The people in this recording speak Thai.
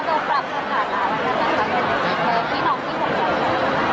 แล้วก็พี่สมรายพี่สมรายพี่สมรายพี่สมราย